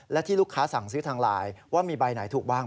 และที่ลูกค้าสั่งซื้อทางไลน์ว่ามีใบไหนถูกบ้าง